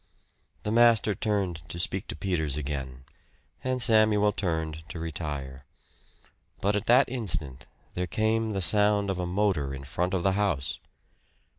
The master turned to speak to Peters again; and Samuel turned to retire. But at that instant there came the sound of a motor in front of the house.